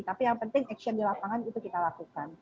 tapi yang penting action di lapangan itu kita lakukan